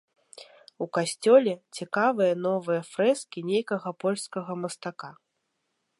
У касцёле цікавыя новыя фрэскі нейкага польскага мастака.